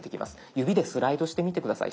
指でスライドしてみて下さい。